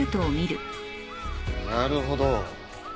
なるほど。